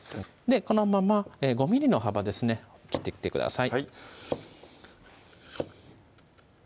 このまま５ｍｍの幅ですね切っていってください